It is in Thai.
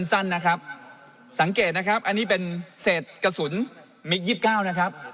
นี่ครับสั้นสั้นนะครับสังเกตนะครับอันนี้เป็นเศษกระสุนมิกยี่สิบเก้านะครับ